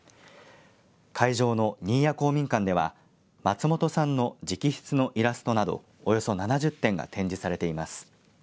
会場の新谷公民館では松本さんの直筆のイラストなどおよそ７０点が展示されています。